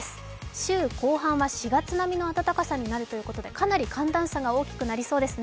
週後半は４月並みの暖かさになるということでかなり寒暖差が大きくなりそうですね。